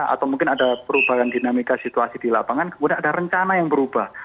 atau mungkin ada perubahan dinamika situasi di lapangan kemudian ada rencana yang berubah